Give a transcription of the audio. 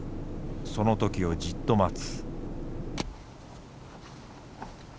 その時をじっと待つ。